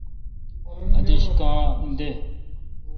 اتیش کاں دے۔